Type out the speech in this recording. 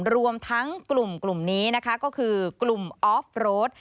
รวมทั้งกลุ่มนี้นะคะก็คือกลุ่มออฟโรด